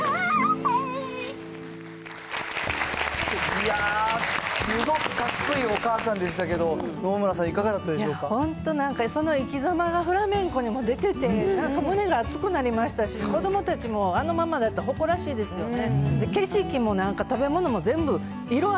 いやぁ、すごくかっこいいお母さんでしたけど、野々村さん、本当、なんかその生きざまがフラメンコにも出てて、なんか胸が熱くなりましたし、子どもたちもあのママだと誇らしいですよね。